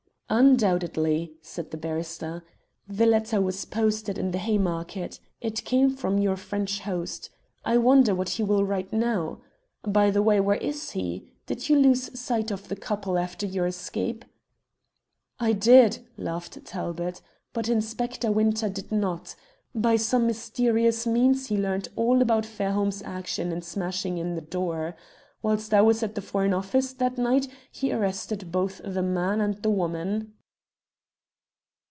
"Undoubtedly," said the barrister. "The letter was posted in the Haymarket. It came from your French host. I wonder what he will write now? By the way, where is he? Did you lose sight of the couple after your escape?" "I did," laughed Talbot. "But Inspector Winter did not. By some mysterious means he learnt all about Fairholme's action in smashing in the door. Whilst I was at the Foreign Office that night he arrested both the man and the woman."